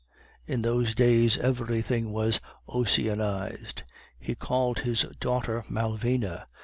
In those days everything was Ossianized; he called his daughter Malvina.